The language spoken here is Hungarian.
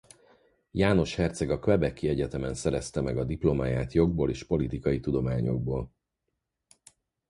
János herceg a Québec-i Egyetemen szerezte meg a diplomáját jogból és politikai tudományokból.